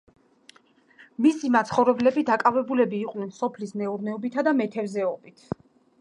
მისი მაცხოვრებლები დაკავებულები იყვნენ სოფლის მეურნეობითა და მეთევზეობით.